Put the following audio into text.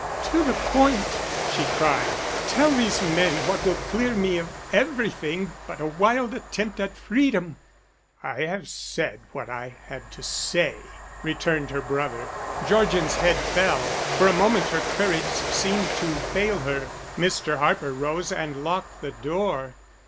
"To the point," she cried, "tell these men what will clear me of everything but a wild attempt at freedom." "I have said what I had to say," returned her brother. Georgian's head fell. For a moment her courage seemed to fail her. Mr. Harper rose and locked the door.